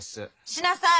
しなさい！